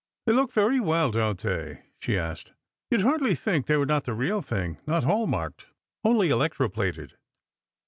"They look very well, don't they?]' she asked. "You'd hardly think they wer» not the real thing — not hall marked — only electro plated."